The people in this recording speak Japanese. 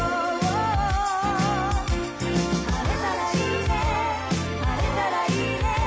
「晴れたらいいね晴れたらいいね」